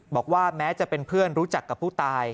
บอกว่าแม้จะเป็นเพื่อนรู้จักกับผู้ตาย